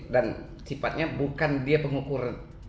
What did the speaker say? dan sifatnya bukan dia pengukur